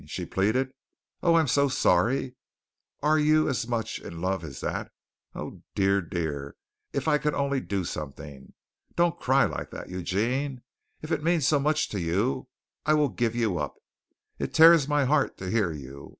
she pleaded. "Oh, I'm so sorry! Are you as much in love as that? Oh, dear, dear, if I could only do something! Don't cry like that, Eugene. If it means so much to you, I will give you up. It tears my heart to hear you.